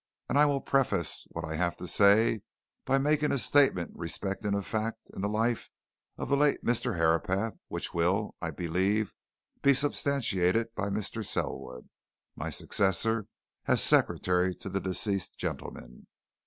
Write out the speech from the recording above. And I will preface what I have to say by making a statement respecting a fact in the life of the late Mr. Herapath which will, I believe, be substantiated by Mr. Selwood, my successor as secretary to the deceased gentleman.